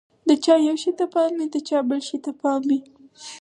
د چا یوه شي ته پام وي، د چا بل شي ته پام وي.